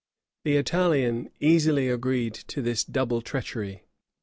The Italian easily agreed to this double treachery.